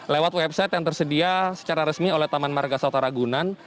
lewat website yang tersedia secara resmi oleh taman marga sata ragunan